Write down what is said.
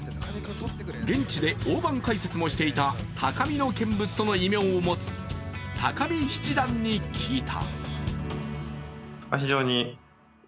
現地で大盤解説もしていた高みの見物との異名を持つ、高見七段に聞いた。